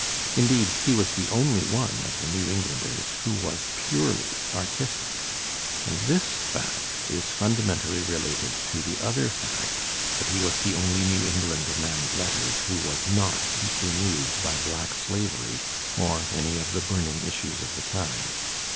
Indeed, he was the only one of the New Englanders who was purely artistic; and this fact is fundamentally related to the other fact that he was the only New England man of letters who was not deeply moved by black slavery or any of the burning issues of the time.